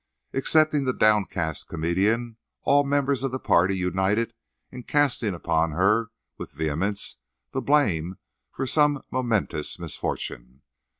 Excepting the downcast comedian, all members of the party united in casting upon her with vehemence the blame of some momentous misfortune.